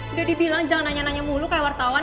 udah dibilang jangan nanya nanya mulu kayak wartawan